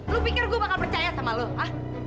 lu pikir gue bakal percaya sama lu hah